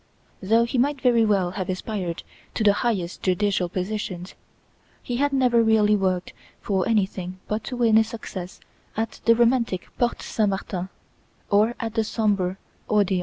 Though he might very well have aspired to the highest judicial positions, he had never really worked for anything but to win a success at the romantic Porte Saint Martin, or at the sombre Odeon.